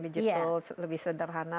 digital lebih sederhana